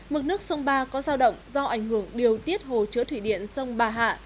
mực nước sông ba có giao động do ảnh hưởng điều tiết hồ chứa thủy điện sông bà hạ